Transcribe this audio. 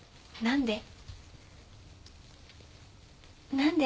何で？